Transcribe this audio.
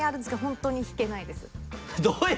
ホントに弾けないです。